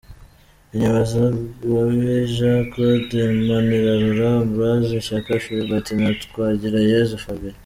Inyuma: Zagabe Jean Claude, Manirarora Ambroise, Shyaka Philbert na Twagirayezu Fabien.